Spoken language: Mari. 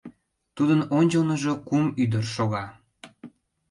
Тудын ончылныжо кум ӱдыр шога.